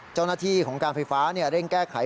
เจ้าหน้าที่ของการไฟฟ้าเร่งแก้ไข